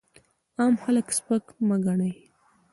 عام خلک سپک مه ګڼئ!